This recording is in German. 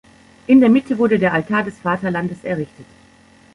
In der Mitte wurde der Altar des Vaterlandes errichtet.